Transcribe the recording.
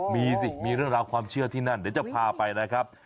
มีสิมีเรื่องราวความเชื่อที่นั่นเดี๋ยวจะพาไปนะครับ